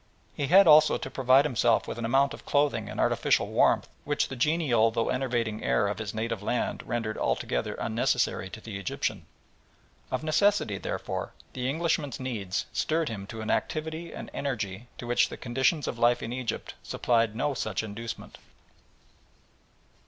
He had also to provide himself with an amount of clothing and artificial warmth which the genial though enervating air of his native land rendered altogether unnecessary to the Egyptian. Of necessity, therefore, the Englishman's needs stirred him to an activity and energy to which the conditions of life in Egypt supplied no inducement.